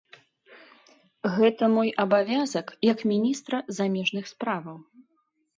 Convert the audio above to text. Гэта мой абавязак, як міністра замежных справаў.